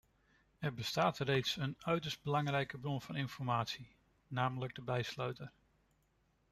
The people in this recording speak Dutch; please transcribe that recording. Er bestaat echter reeds een uiterst belangrijke bron van informatie, namelijk de bijsluiter.